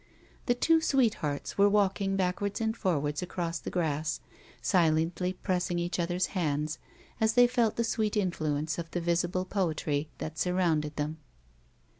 The two sweethearts were walking back wards and forwards across the grass, silently pressing each other's hands, as they felt the sweet influence of the visible poetry that surrounded them.